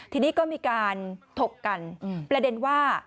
ทีนี้ก็มีการถกกันประเด็นว่า